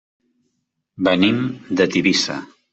Venim de Tivissa.